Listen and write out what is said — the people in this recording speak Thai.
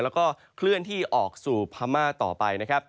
แล้วก็เคลื่อนที่ออกสู่พม่าต่อไปนะครับ